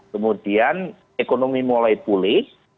kemudian ekonomi mulai pulih